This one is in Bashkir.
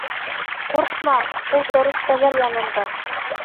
Ҡурҡма, ул фәрештәләр янында.